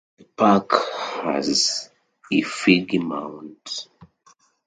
The park has effigy mounds.